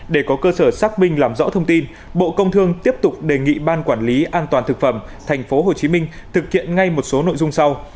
để có cơ sở xác minh làm rõ thông tin bộ công thương tiếp tục đề nghị ban quản lý an toàn thực phẩm tp hcm thực hiện ngay một số nội dung sau